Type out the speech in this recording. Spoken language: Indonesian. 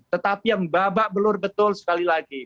tetapi yang babak belur betul sekali lagi